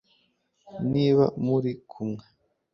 niba muri kumwe